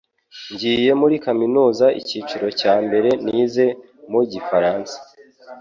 Ngiye muri kaminuza icyiciro cya mbere nize mu Gifaransa